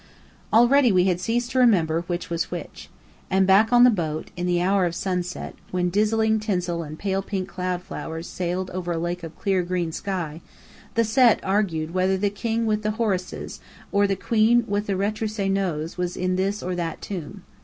Already we had ceased to remember which was which. And back on the boat, in the hour of sunset, when dazzling tinsel and pale pink cloud flowers sailed over a lake of clear green sky, the Set argued whether the King with the Horses, or the Queen with the Retroussé Nose was in this or that tomb.